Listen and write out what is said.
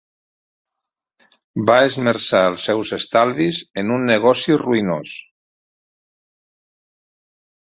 Va esmerçar els seus estalvis en un negoci ruïnós.